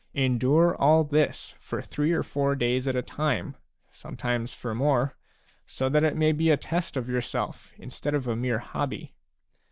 Endure all this for three or four days at a time, sometimes for more, so that it may be a test of yourself instead of a mere hobby.